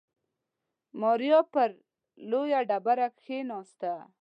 ماريا پر لويه ډبره کېناسته.